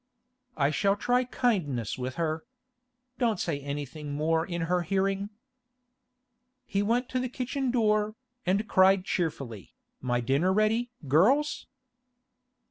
'I shall try kindness with her. Don't say anything more in her hearing.' He went to the kitchen door, and cried cheerfully, 'My dinner ready, girls?